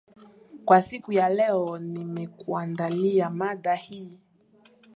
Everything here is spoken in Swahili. kwa siku ya leo nimekuandalia mada hii